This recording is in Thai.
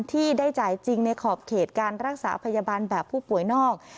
ที่ได้จ่ายจริงในขอบเขตการรักษาพยาบาลแบบผู้ป่วยนอก